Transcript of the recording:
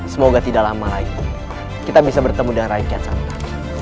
semoga tidak lama lagi kita bisa bertemu dengan rakyat santa